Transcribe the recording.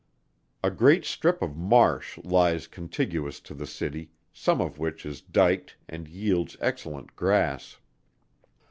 A great strip of Marsh lies contiguous to the city, some of which is dyked and yields excellent grass.